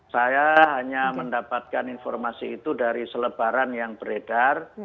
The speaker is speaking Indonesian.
saya hanya mendapatkan informasi itu dari selebaran yang beredar